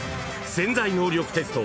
［『潜在能力テスト』